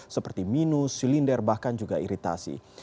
seperti minus silinder bahkan juga iritasi